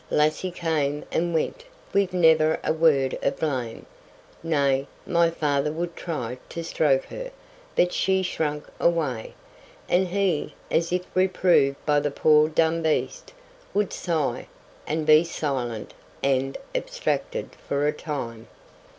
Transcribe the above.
Lassie came and went with never a word of blame; nay, my father would try to stroke her, but she shrank away; and he, as if reproved by the poor dumb beast, would sigh, and be silent and abstracted for a time.